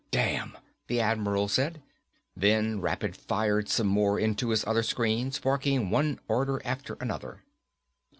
"Damn," the Admiral said, then rapid fired some more into his other screens, barking one order after another.